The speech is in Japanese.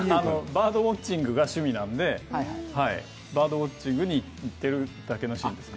バードウォッチングが趣味なんで、バードウォッチングに行ってるだけのシーンです。